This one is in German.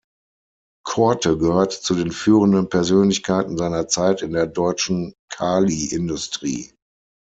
Korte gehörte zu den führenden Persönlichkeiten seiner Zeit in der deutschen Kaliindustrie.